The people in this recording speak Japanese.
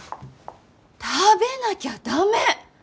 食べなきゃ駄目！